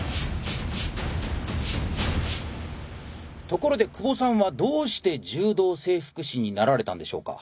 ところで久保さんはどうして柔道整復師になられたんでしょうか？